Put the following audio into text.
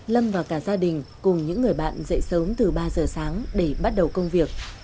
lâm và cả gia đình cùng những người bạn dậy sớm từ ba giờ sáng để bắt đầu công việc